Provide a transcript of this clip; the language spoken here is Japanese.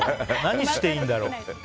何していいんだろうって。